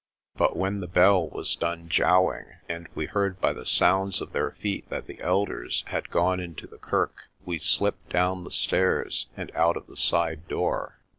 But when the bell had done j owing, and we heard by the sounds of their feet that the elders had gone into the kirk, we slipped down the stairs and out of the side door.